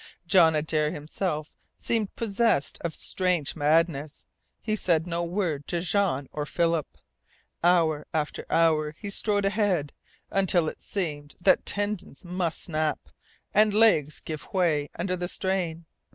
John Adare himself seemed possessed of a strange madness. He said no word to Jean or Philip. Hour after hour he strode ahead, until it seemed that tendons must snap and legs give way under the strain.